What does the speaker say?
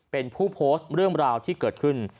เป็นผู้โพสต์เรื่องราวที่เกิดขึ้น